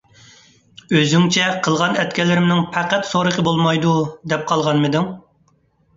ئۆزۈڭچە قىلغان - ئەتكەنلىرىمنىڭ پەقەت سورىقى بولمايدۇ، دەپ قالغانمىدىڭ؟